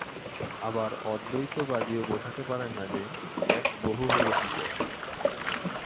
আবার অদ্বৈতবাদীও বোঝাতে পারেন না যে, এক বহু হল কি করে।